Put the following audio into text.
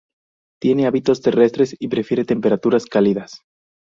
Tiene hábitos terrestres y prefiere temperaturas cálidas.